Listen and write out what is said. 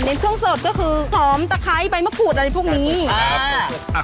เน้นเครื่องสดก็คือหอมตะไคร้ใบมะผูดอะไรพวกนี้ครับอ่า